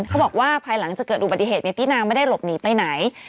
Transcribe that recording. เขาบอกว่าภายหลังจากเกิดอุบัติเหตุพี่นางไม่ได้หลบหนีไปไหน